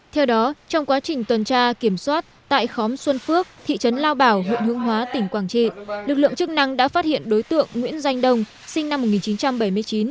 theo đó trong quá trình tuần tra kiểm soát tại khóm xuân phước thị trấn lao bảo huyện hương hóa tỉnh quảng trị lực lượng chức năng đã phát hiện đối tượng nguyễn danh đông sinh năm một nghìn chín trăm bảy mươi chín